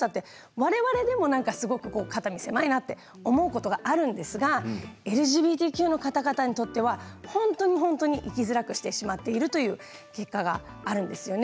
われわれでも肩身狭いなと思うことがあるんですがＬＧＢＴＱの方々にとっては本当に生きづらくしてしまっているという結果があるんです。